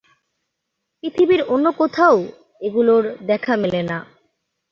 পৃথিবীর অন্য কোথাও এগুলোর দেখা মেলে না।